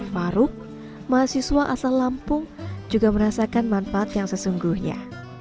faruk mahasiswa asal lampung juga merasakan manfaat yang sesungguhnya